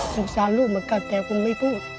สงสารลูกเหมือนกันแต่คุณไม่พูด